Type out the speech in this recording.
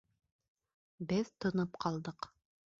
Беҙ тынып ҡалдыҡ.